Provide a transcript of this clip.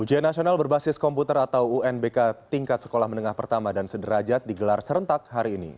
ujian nasional berbasis komputer atau unbk tingkat sekolah menengah pertama dan sederajat digelar serentak hari ini